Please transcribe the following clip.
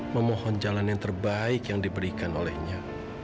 memohon jalan yang terbaik yang diberikan olehnya